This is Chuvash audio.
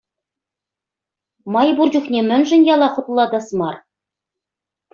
Май пур чухне мӗншӗн яла хӑтлӑлатас мар?